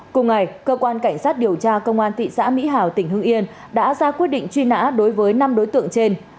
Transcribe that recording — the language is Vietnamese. cùng ngày cơ quan cảnh sát điều tra công an thị xã mỹ hào tỉnh hưng yên đã ra quyết định truy nã đối với năm đối tượng trên